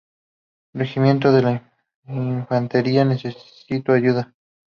Regimiento de Infantería necesitó ayuda.